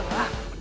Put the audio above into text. ya udah lah